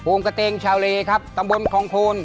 กระเตงชาวเลครับตำบลคองโคน